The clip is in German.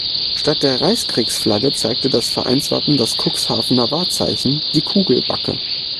Statt der Reichskriegsflagge zeigte das Vereinswappen das Cuxhavener Wahrzeichen, die Kugelbake.